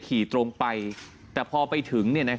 ขี่ตรงไปแต่พอไปถึง